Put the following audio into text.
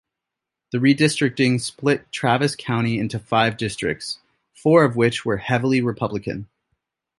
The redistricting split Travis County into five districts, four of which were heavily Republican.